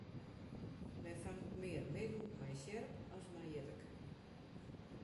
Men fangt mear miggen mei sjerp as mei jittik.